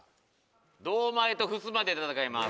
堂前とふすまで戦います。